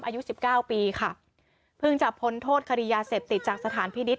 อายุสิบเก้าปีค่ะเพิ่งจะพ้นโทษคดียาเสพติดจากสถานพินิษฐ